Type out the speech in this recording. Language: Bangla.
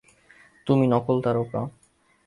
তুমি নকল তারকা।